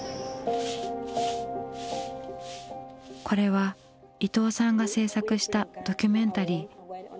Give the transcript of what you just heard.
これは伊藤さんが制作したドキュメンタリー。